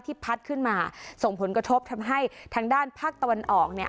พัดขึ้นมาส่งผลกระทบทำให้ทางด้านภาคตะวันออกเนี่ย